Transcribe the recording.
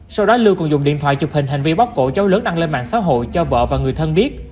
sau đó lưu còn dùng điện thoại chụp hình hành vi bóc cổ cháu lớn đăng lên mạng xã hội cho vợ và người thân biết